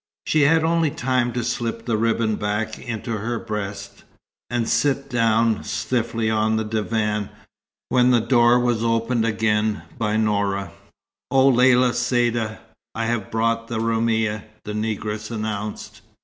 She had only time to slip the ribbon back into her breast, and sit down stiffly on the divan, when the door was opened again by Noura. "O Lella Saïda, I have brought the Roumia," the negress announced.